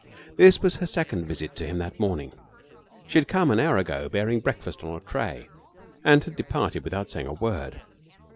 This was her second visit to him that morning. She had come an hour ago, bearing breakfast on a tray, and had departed without saying a word.